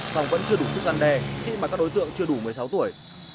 song vẫn chưa đủ sức gian đe khi mà các đối tượng chưa đủ một mươi sáu tuổi